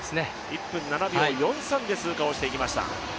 １分７秒４３で通過していきました。